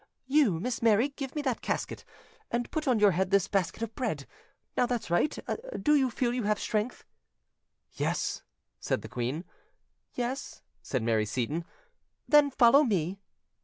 You, Miss Mary, give me that casket, and put on your head this basket of bread. Now, that's right: do you feel you have strength?" "Yes," said the queen. "Yes," said Mary Seyton. "Then follow me."